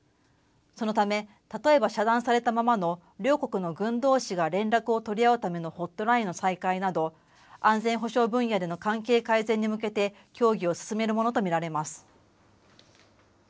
そのため例えば遮断されたままの両国の軍どうしが連絡を取り合うためのホットラインの再開など、安全保障分野での関係改善に向けて協議を進めるものと見られます。